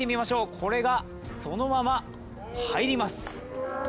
これがそのまま入ります。